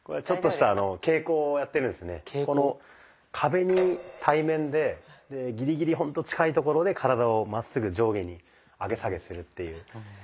この壁に対面でギリギリほんと近いところで体をまっすぐ上下に上げ下げするっていう動きなんですけども。